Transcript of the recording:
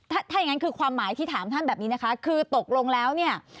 ถ้าอย่างงั้นคือความหมายที่ถามท่านแบบนี้นะคะคือตกลงแล้วเนี่ย